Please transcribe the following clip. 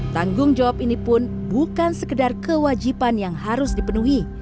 tanggung jawab ini pun bukan sekedar kewajiban yang harus dipenuhi